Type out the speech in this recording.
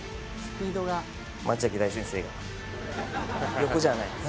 横じゃないです